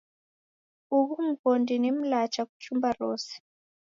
Ughu mghondi ni mlacha kuchumba rose.